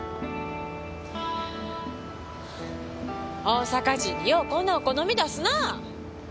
「大阪人にようこんなお好み出すな」